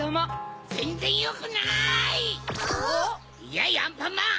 やいアンパンマン！